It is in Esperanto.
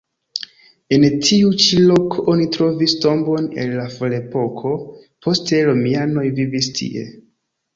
En tiu ĉi loko oni trovis tombon el la ferepoko, poste romianoj vivis tie.